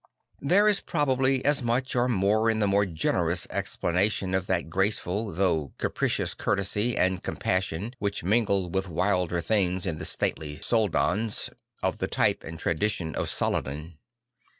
There is probably as much or more in the more generous explanation of that graceflù though capricious courtesy and compassion which mingled with wilder things in the stately Soldans 14 8 St. Francis of Assisi of the type and tradition of Saladin.